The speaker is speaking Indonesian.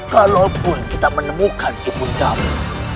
kalaupun kita menemukan ibundamu